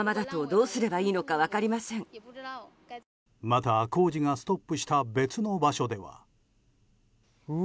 また工事がストップした別の場所では。